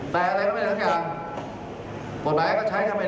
แต่อะไรก็ไม่ได้ทั้งอย่างผลแบบนั้นก็ใช้ทำไม่ได้